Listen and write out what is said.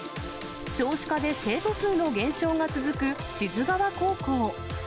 少子化で生徒数の減少が続く志津川高校。